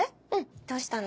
どうしたの？